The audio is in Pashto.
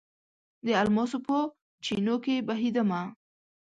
د الماسو په چېنو کې بهیدمه